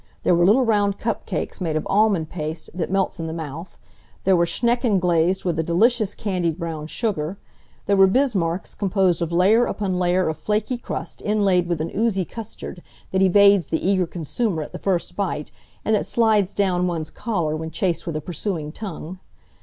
There were little round cup cakes made of almond paste that melts in the mouth; there were Schnecken glazed with a delicious candied brown sugar; there were Bismarcks composed of layer upon layer of flaky crust inlaid with an oozy custard that evades the eager consumer at the first bite, and that slides down one's collar when chased with a pursuing tongue.